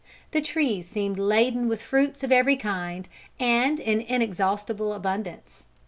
The trees seemed laden with fruits of every kind, and in inexhaustible abundance.